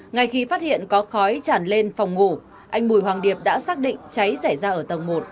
ngay khi phát hiện có khói chản lên phòng ngủ anh bùi hoàng điệp đã xác định cháy xảy ra ở tầng một